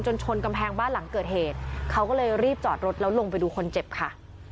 ชนกำแพงบ้านหลังเกิดเหตุเขาก็เลยรีบจอดรถแล้วลงไปดูคนเจ็บค่ะ